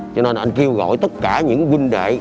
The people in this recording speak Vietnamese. cho nên anh kêu gọi tất cả những quân đệ